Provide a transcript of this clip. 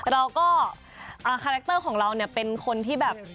เราก็คาแรคเตอร์ของเราเนี่ยเป็นคนที่แบบ